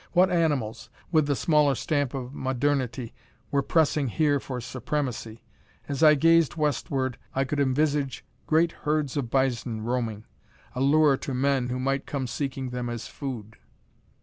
What animals, with the smaller stamp of modernity, were pressing here for supremacy? As I gazed westward I could envisage great herds of bison roaming, a lure to men who might come seeking them as food.